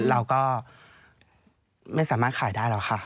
เราก็ไม่สามารถขายได้หรอกค่ะ